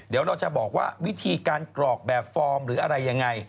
เดี๋ยวเราจะบอกว่าวิธีการกรอกแบบฟอร์มหรืออะไรยังไง